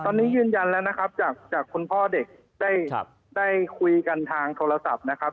ตอนนี้ยืนยันแล้วนะครับจากคุณพ่อเด็กได้คุยกันทางโทรศัพท์นะครับ